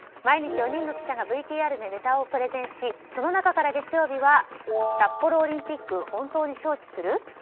毎日４人の記者がＶＴＲでネタをプレゼンしその中から、月曜日は札幌オリンピック本当に招致する？